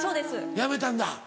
やめたんだ。